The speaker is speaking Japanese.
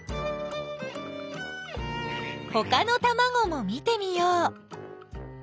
ほかのたまごも見てみよう！